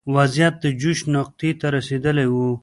وضعیت د جوش نقطې ته رسېدلی و.